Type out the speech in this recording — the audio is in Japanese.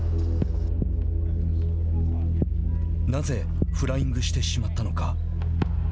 なぜフライングしてしまったのか。